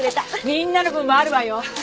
みんなの分もあるわよ。